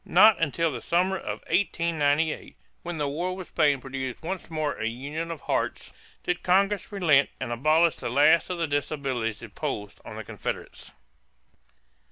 Not until the summer of 1898, when the war with Spain produced once more a union of hearts, did Congress relent and abolish the last of the disabilities imposed on the Confederates.